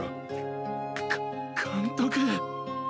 か監督。